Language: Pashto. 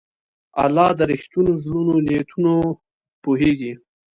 الله د رښتینو زړونو نیتونه پوهېږي.